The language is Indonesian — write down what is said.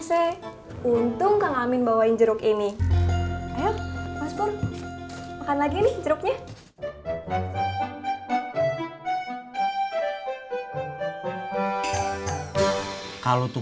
c untung kang amin bawain jeruk ini ayo masuk makan lagi nih jeruknya kalau tuh